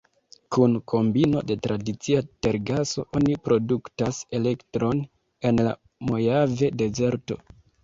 Kun kombino de tradicia tergaso, oni produktas elektron en la Mojave-dezerto.